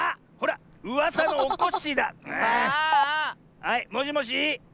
はいもしもし。